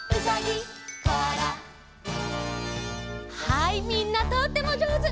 はいみんなとってもじょうず！